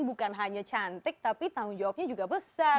bukan hanya cantik tapi tanggung jawabnya juga besar